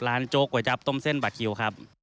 ร้านโจ๊กก๋วยจั๊บต้มเส้นบัตรคิวครับ